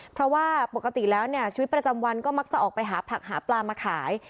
เพราะว่าปกติแล้วเนี่ยชีวิตประจำวันก็มักจะออกไปหาผักหาปลามาขาย